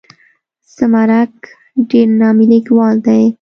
زمرک ډېر نامي لیکوال دی.